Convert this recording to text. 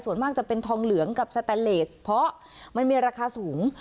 ส่วนมากจะเป็นทองเหลืองกับสแตนเลสเพราะมันมีราคาสูง